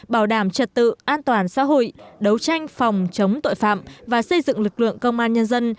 bảo đảm trật tự an toàn xã hội đấu tranh phòng chống tội phạm và xây dựng lực lượng công an nhân dân